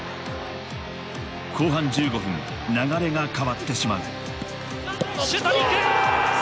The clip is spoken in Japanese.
後半１５分、流れが変わってしまう。